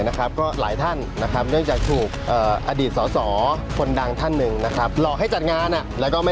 ไม่จ่ายเงินเดิน๓๔เดือนเขาก็ไป